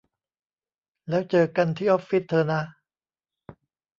แล้วเจอกันที่ออฟฟิศเธอนะ